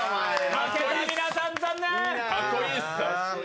負けた皆さん、残念。